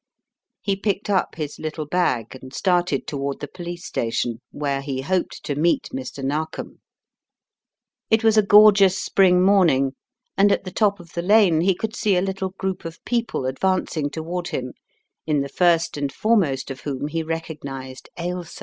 He picked up his little bag and started toward the police station, where he hoped to meet Mr, Narkom. It was a gorgeous spring morning, and at the top of the lane he could see a little group of people 154 The Riddle of the Purple Emperor advancing toward him, in the first and foremost of whom he recognized Ailsa.